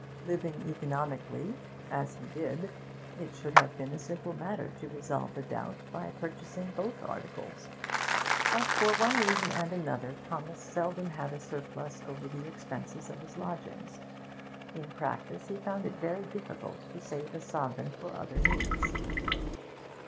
Living economically as he did, it should have been a simple matter to resolve the doubt by purchasing both articles, but, for one reason and another, Thomas seldom had a surplus over the expenses of his lodgings; in practice he found it very difficult to save a sovereign for other needs.